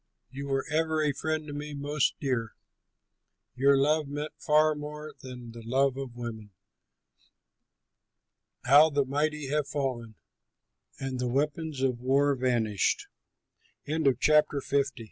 You were ever a friend to me most dear, Your love meant far more than the love of women! "How the mighty have fallen, And the weapons of war vanished!" A SHEPHERD BOY WHO WAS